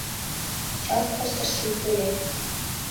Участкыште шып ыле.